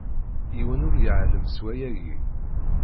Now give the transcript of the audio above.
Yiwen ur iɛellem s wayagi!